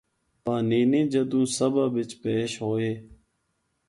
پانینی جدوں سبھا بچ پیش ہویے۔